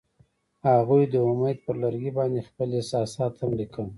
هغوی د امید پر لرګي باندې خپل احساسات هم لیکل.